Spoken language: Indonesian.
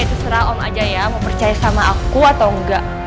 itu serah om aja ya mau percaya sama aku atau enggak